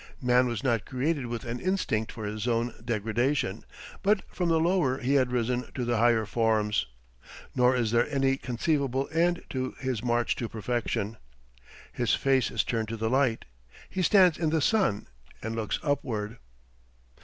Man was not created with an instinct for his own degradation, but from the lower he had risen to the higher forms. Nor is there any conceivable end to his march to perfection. His face is turned to the light; he stands in the sun and looks upward.